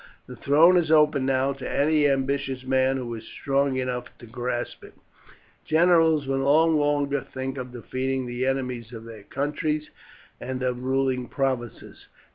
The throne is open now to any ambitious man who is strong enough to grasp it. Generals will no longer think of defeating the enemies of their country and of ruling provinces.